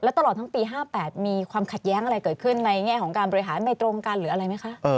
ตลอดทั้งปี๕๘มีความขัดแย้งอะไรเกิดขึ้นในแง่ของการบริหารไม่ตรงกันหรืออะไรไหมคะ